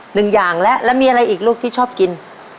หนึ่งอย่างแล้วแล้วมีอะไรอีกลูกที่ชอบกิน